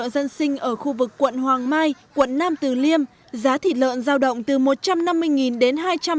dân sinh ở khu vực quận hoàng mai quận nam từ liêm giá thịt lợn giao động từ một trăm năm mươi đến hai trăm linh